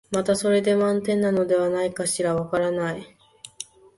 またそれで満点なのではないかしら、わからない、